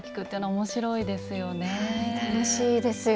楽しいですよねえ。